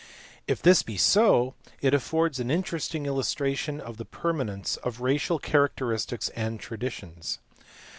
If this be so, it affords an interesting illustration of the permanence of racial characteristics and traditions.